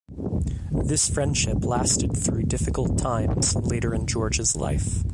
This friendship lasted through difficult times later in George's life.